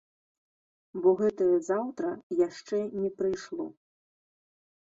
Бо гэтае заўтра яшчэ не прыйшло.